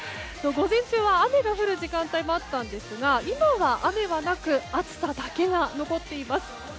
午前中は雨が降る時間帯もあったんですが今は雨はなく暑さだけが残っています。